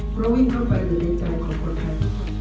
เพราะวิ่งเข้าไปอยู่ในใจของคนไทยทุกคน